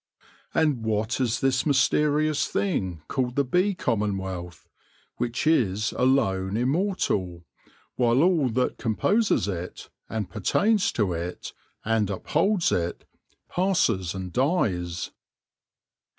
And what is this mys terious thing called the Bee Commonwealth, which is alone immortal, while all that composes it, and pertains to it, and upholds it, passes and dies